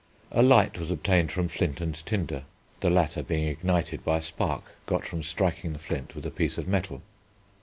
A light was obtained from flint and tinder, the latter being ignited by a spark got from striking the flint with a piece of metal.